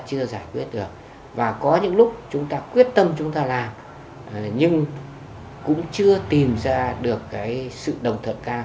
thực hiện không thành công